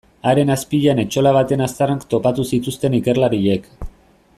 Haren azpian etxola baten aztarnak topatu zituzten ikerlariek.